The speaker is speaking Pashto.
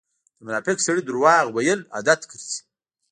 د منافق سړی درواغ وويل عادت ګرځئ.